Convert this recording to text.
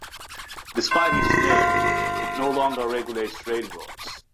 Despite its name, it no longer regulates railroads.